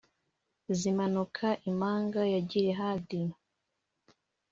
zimanuka imanga ya Gilihadi.